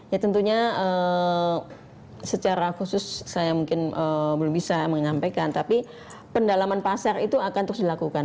ya tentunya secara khusus saya mungkin belum bisa menyampaikan tapi pendalaman pasar itu akan terus dilakukan